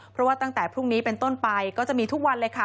เพราะว่าตั้งแต่พรุ่งนี้เป็นต้นไปก็จะมีทุกวันเลยค่ะ